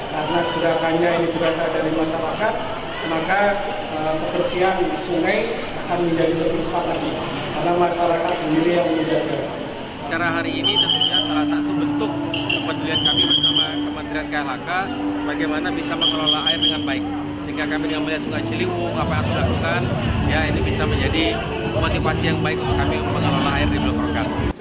kegiatan ini dilakukan ya ini bisa menjadi motivasi yang baik untuk kami mengelola air di blok rokak